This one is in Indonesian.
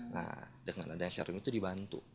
nah dengan adanya sharing itu dibantu